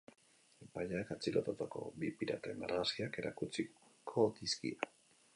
Epaileak, atxilotutako bi piraten argazkiak erakutsiko dizkie.